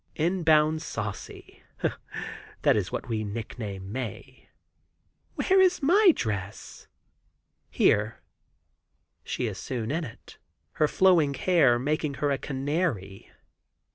In bounds Saucy—that is what we nickname Mae. "Where is my dress?" "Here." She is soon in it, her flowing hair making her a canary.